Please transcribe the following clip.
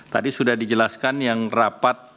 tadi sudah dijelaskan yang rapat